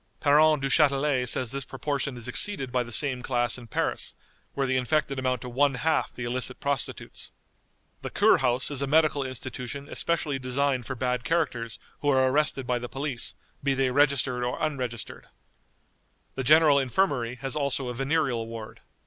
Parent Duchatelet says this proportion is exceeded by the same class in Paris, where the infected amount to one half the illicit prostitutes. The "Kurhaus" is a medical institution especially designed for bad characters who are arrested by the police, be they registered or unregistered. The General Infirmary has also a venereal ward.